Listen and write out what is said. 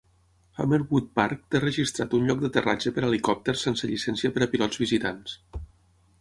Hammerwood Park té registrat un lloc d'aterratge per a helicòpters sense llicència per a pilots visitants.